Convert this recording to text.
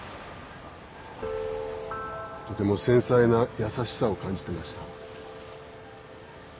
とても繊細な優しさを感じてました。